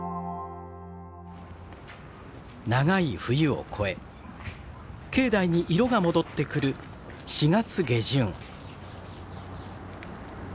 長い冬を越え境内に色が戻ってくる４月下旬。